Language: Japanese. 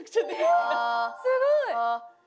え⁉すごい！